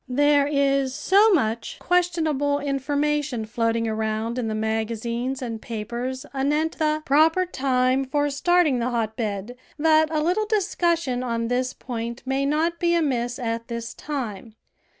There is so much questionable information float ing around in the magazines and papers anent the CONSTRUCTION AND CARE OF HOTBEDS proper time for starting the hotbed that a Uttle discussion on this point may not be amiss at this time.